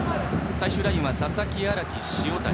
最終ラインは佐々木、荒木、塩谷。